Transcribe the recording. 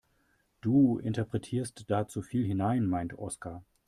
Du interpretierst da zu viel hinein, meint Oskar.